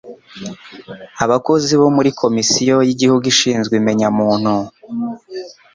abakozi bo muri komisiyo y igihugu ishinzwe imenya muntu